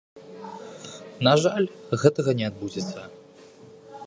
На жаль, гэтага не адбудзецца.